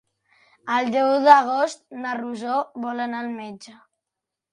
El deu d'agost na Rosó vol anar al metge.